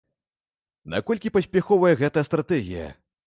Наколькі паспяховая гэтая стратэгія?